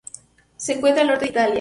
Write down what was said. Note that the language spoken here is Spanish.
Se encuentra al norte de Italia.